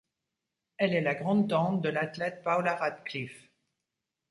Elle est la grand-tante de l'athlète Paula Radcliffe.